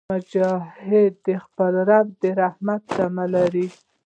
مجاهد د خپل رب رحمت ته تمه لري.